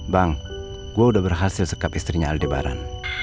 bang gue udah berhasil sekap istrinya aldebaran